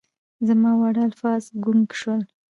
زما واړه الفاظ ګونګ شول